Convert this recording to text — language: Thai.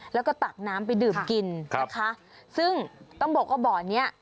แล้วก็ตักน้ำไปดื่มกินนะคะซึ่งต้องบอกว่าบ่อเนี้ย